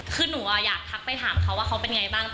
คือหนูอยากทักไปถามเขาว่าเขาเป็นไงบ้าง